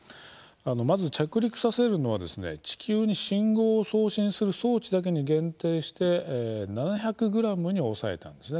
まず、着陸させるのは地球に信号を送信する装置だけに限定して７００ｇに抑えたんです。